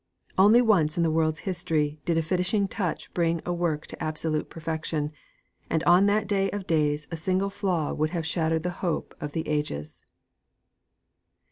Only once in the world's history did a finishing touch bring a work to absolute perfection; and on that day of days a single flaw would have shattered the hope of the ages.